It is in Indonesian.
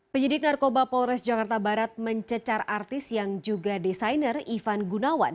penyidik narkoba polres jakarta barat mencecar artis yang juga desainer ivan gunawan